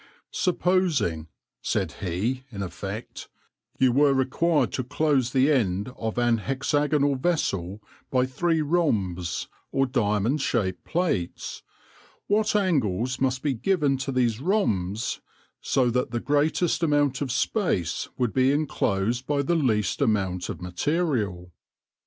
" Supposing," said he, in effect, " you were re quired to close the end of an hexagonal vessel by three rhombs or diamond shaped plates, what angles must be given to these rhombs so that the greatest amount of space would be enclosed by the least amount of material